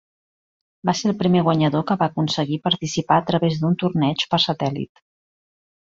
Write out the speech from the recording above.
Va ser el primer guanyador que va aconseguir participar a través d'un torneig per satèl·lit.